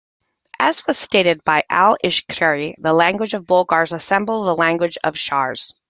As was stated by Al-Istakhri "the language of Bulgars resembles the language of Khazars".